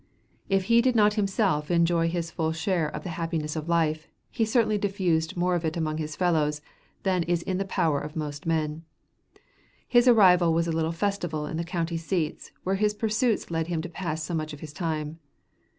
If he did not himself enjoy his full share of the happiness of life, he certainly diffused more of it among his fellows than is in the power of most men. His arrival was a little festival in the county seats where his pursuits led him to pass so much of his time.